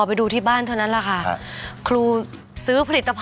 พอไปดูที่บ้านเท่านั้นแหละค่ะครูซื้อผลิตภัณฑ์เนี่ยค่ะ